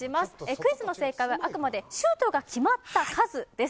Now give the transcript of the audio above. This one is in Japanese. クイズの正解はあくまでシュートが決まった数です。